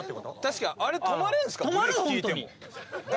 ・確かあれ止まれるんすか？